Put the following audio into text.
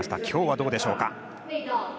きょうはどうでしょうか。